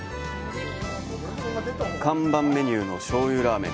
看板メニューの醤油ラーメン。